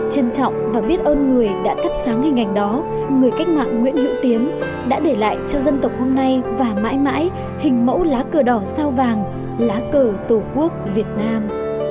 trân trọng và biết ơn người đã thắp sáng hình ảnh đó người cách mạng nguyễn hữu tiến đã để lại cho dân tộc hôm nay và mãi mãi hình mẫu lá cờ đỏ sao vàng lá cờ tổ quốc việt nam